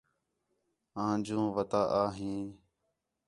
آں جوں وَتا آ ہیں